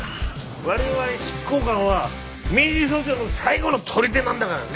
我々執行官は民事訴訟の最後のとりでなんだからね。